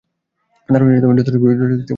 তারা যথেষ্ট পরিমাণে ভয় পেয়েছে।